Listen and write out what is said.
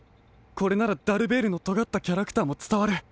これならダルベールのとがったキャラクターもつたわる。